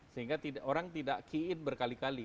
sehingga orang tidak key in berkali kali